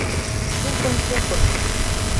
— Шукын-шукын...